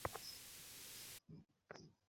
এক মিনিট, কারা খুনী?